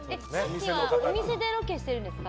さっきはお店でロケしてるんですか？